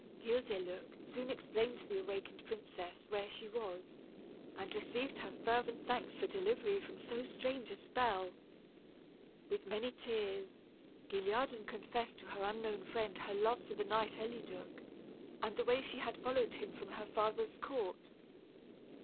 Guildeluec soon explained to the awakened princess where she was, and received her fervent thanks for delivery from so strange a spell. With many tears, Guilliadun confessed to her unknown friend her love for the knight Eliduc, and the way she had followed him from her father's court.